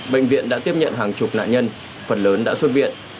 bệnh viện đã tiếp nhận hàng chục nạn nhân phần lớn đã xuất viện